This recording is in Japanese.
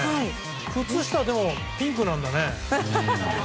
靴下はピンクなんだね。